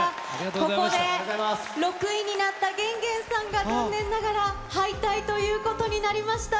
ここで６位になった源元さんが、残念ながら敗退ということになりました。